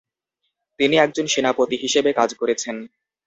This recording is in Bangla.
তিনি একজন সেনাপতি হিসেবে কাজ করেছেন।